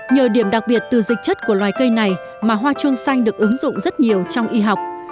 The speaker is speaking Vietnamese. nhờ điểm đặc biệt từ dịch chất của loài cây này mà hoa chuông xanh được ứng dụng rất nhiều trong y học